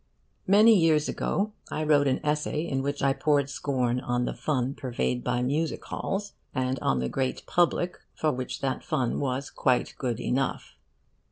Many years ago I wrote an essay in which I poured scorn on the fun purveyed by the music halls, and on the great public for which that fun was quite good enough.